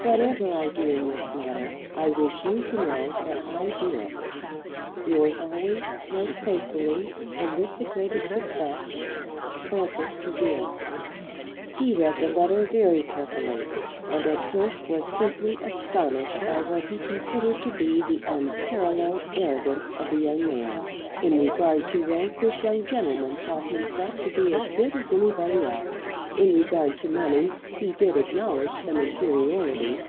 Whatever I do in this matter, I wish you to know that I do it. Yours always, Most faithfully, and with the greatest respect, FRANCIS TREGEAR. He read the letter very carefully, and at first was simply astonished by what he considered to be the unparalleled arrogance of the young man. In regard to rank this young gentleman thought himself to be as good as anybody else! In regard to money he did acknowledge some inferiority.